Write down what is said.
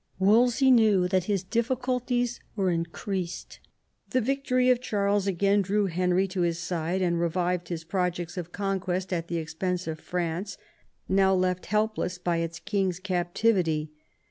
Wolsey knew that his difficulties were in creased. The victory of Charles again drew Henry to his side and revived his projects of conquest at the expense of France, now left helpless by its king's cap tivity.